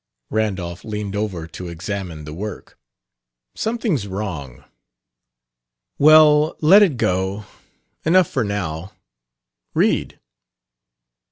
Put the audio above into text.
Randolph leaned over to examine the work. "Something's wrong." "Well, let it go. Enough for now. Read."